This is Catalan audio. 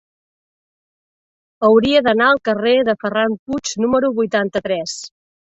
Hauria d'anar al carrer de Ferran Puig número vuitanta-tres.